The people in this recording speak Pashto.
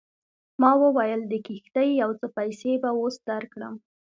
ما وویل د کښتۍ یو څه پیسې به اوس درکړم.